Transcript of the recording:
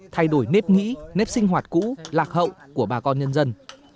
thay đổi nếp nghĩ nếp sinh hoạt cũ lạc hậu của bà con nhân dân